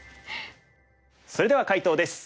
それでは解答です。